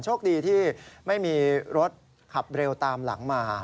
โชคดีที่ไม่มีรถขับเร็วตามหลังมา